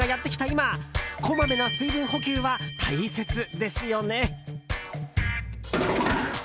今こまめな水分補給は大切ですよね。